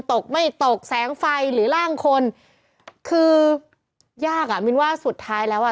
ตกไม่ตกแสงไฟหรือร่างคนคือยากอ่ะมินว่าสุดท้ายแล้วอ่ะ